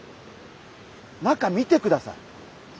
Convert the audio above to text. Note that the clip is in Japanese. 中見てください。